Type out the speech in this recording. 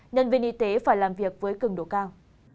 nhân viên y tế phải làm việc với cứng độ cao